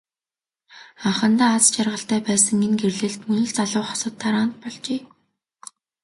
Анхандаа аз жаргалтай байсан энэ гэрлэлт мөн л залуу хосод дараа болжээ.